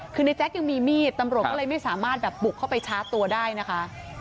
คือในแจ๊กยังมีมีดตำรวจก็เลยไม่สามารถแบบบุกเข้าไปชาร์จตัวได้นะคะ